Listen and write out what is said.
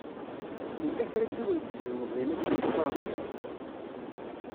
Yella kra n yiwen seg yilemẓyen-agi i m-yeččuren tiṭ?